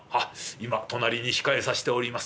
今隣に控えさしております。